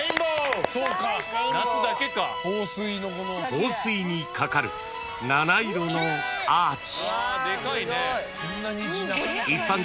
［放水にかかる七色のアーチ］